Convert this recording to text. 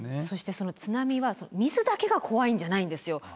そしてその津波は水だけが怖いんじゃないんですよ。